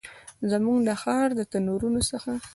زموږ د ښار د تنورونو څخه